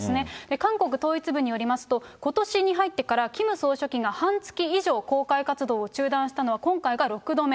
韓国統一部によりますと、ことしに入ってから、キム総書記が半月以上公開活動を中断したのは今回が６度目。